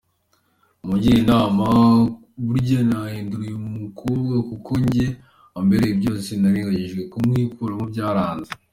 Mungire inama buryo nahindura uyu mukobwa kuko kuri jye ambereye byose nagerageje kumwikuramo byaranze.